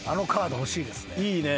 いいね。